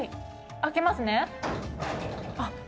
開けますね。